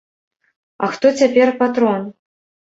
А хто цяпер патрон?